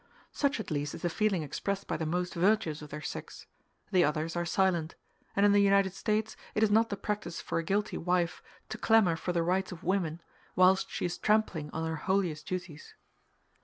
Such at least is the feeling expressed by the most virtuous of their sex; the others are silent; and in the United States it is not the practice for a guilty wife to clamor for the rights of women, whilst she is trampling on her holiest duties.